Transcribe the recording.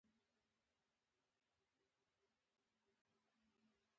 د افغانانو په اصطلاح نو زما یې په څه خبره قوت کوي.